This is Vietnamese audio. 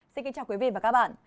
xin kính chào quý vị và các bạn